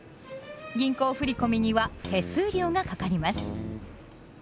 銀行振込には手数料がかかります。